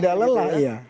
dia tidak lelah ya